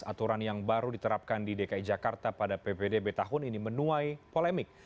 aturan yang baru diterapkan di dki jakarta pada ppdb tahun ini menuai polemik